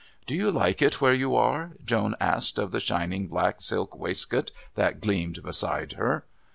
"Do you like it where you are?" Joan asked of the shining black silk waistcoat that gleamed beside her.